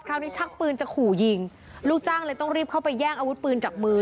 ชักปืนจะขู่ยิงลูกจ้างเลยต้องรีบเข้าไปแย่งอาวุธปืนจากมือ